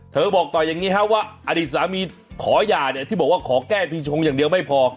บอกต่ออย่างนี้ว่าอดีตสามีขอหย่าเนี่ยที่บอกว่าขอแก้ปีชงอย่างเดียวไม่พอ